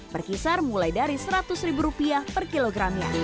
berkisar mulai dari rp seratus per kilogramnya